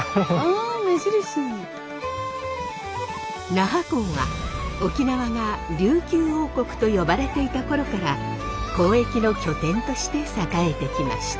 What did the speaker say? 那覇港は沖縄が琉球王国と呼ばれていた頃から交易の拠点として栄えてきました。